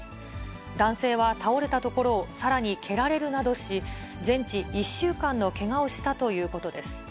男性は倒れたところをさらに蹴られるなどし、全治１週間のけがをしたということです。